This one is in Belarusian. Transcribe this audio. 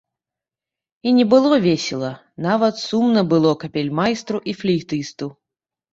І не было весела, нават сумна было капельмайстру і флейтысту.